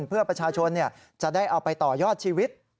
เพื่อประชาชนจะได้เอาไปต่อยอดชีวิต